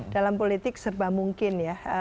dalam politik serba mungkin